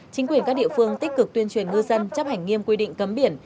chính quyền các địa phương tích cực tuyên truyền ngư dân chấp hành nghiêm quy định cấm biển